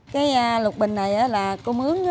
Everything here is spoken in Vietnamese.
cây lục bình này là công ứng